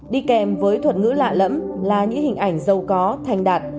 đi kèm với thuật ngữ lạ lẫm là những hình ảnh giàu có thành đạt